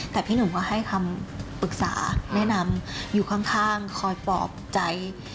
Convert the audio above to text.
แต่พี่หนุ่มก็ให้คำปรึกษาแนะนำอยู่ข้างคอยปลอบใจ